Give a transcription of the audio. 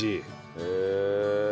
へえ。